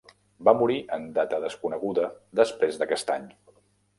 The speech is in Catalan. Va morir en data desconeguda, després d'aquest any.